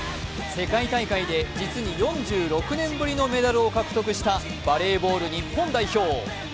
世界大会で実に４６年ぶりのメダルを獲得したバレーボール日本代表。